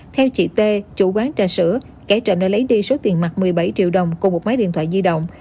theo chị t chủ quán trà sữa kẻ trộm đã lấy đi số tiền mặt một mươi bảy triệu đồng cùng một máy điện thoại di động